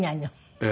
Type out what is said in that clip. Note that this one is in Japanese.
ええ。